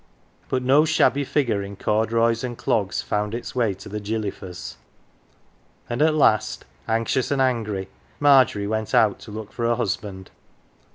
But no shabby figure in corduroys and clogs found its way to the Gilly f ers ; and at last, anxious and angry, Margery went out to look for her husband.